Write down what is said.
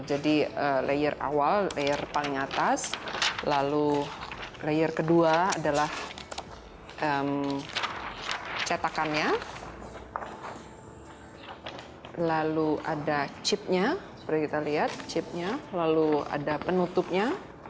jadi layer awal layer paling atas lalu layer kedua adalah cetakannya lalu ada chipnya seperti kita lihat chipnya lalu ada penutupnya